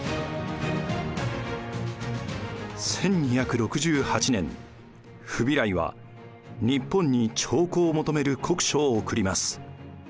１２６８年フビライは日本に朝貢を求める国書を送ります。